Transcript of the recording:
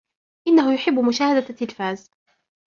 إنه يحب مشاهدة التلفاز.